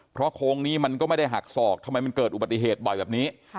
เพราะโค้งนี้มันก็ไม่ได้หักศอกทำไมมันเกิดอุบัติเหตุบ่อยแบบนี้